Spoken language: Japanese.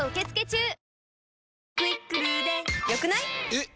えっ！